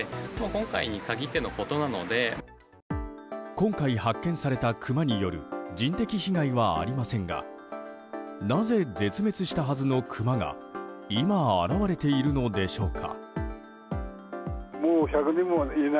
今回発見されたクマによる人的被害はありませんがなぜ、絶滅したはずのクマが今、現れているのでしょうか。